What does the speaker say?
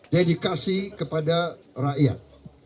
dedikasi kepada rakyat